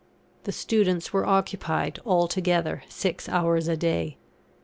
The students were occupied, altogether, six hours a day.